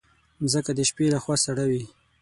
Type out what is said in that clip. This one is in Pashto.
مځکه د شپې له خوا سړه وي.